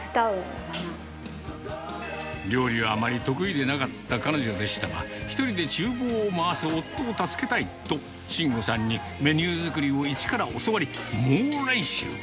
料理はあまり得意ではなかった彼女でしたが、１人でちゅう房を回す夫を助けたいと、伸吾さんにメニュー作りを一から教わり、猛練習。